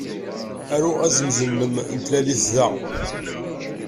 Aru azemz-nnem n tlalit da.